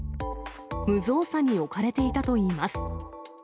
無造作に置かれていたといいます。